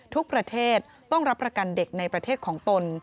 ทุกประเทศต้องรับประกันเด็กในประเทศของตน